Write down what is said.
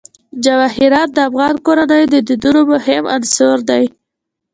جواهرات د افغان کورنیو د دودونو مهم عنصر دی.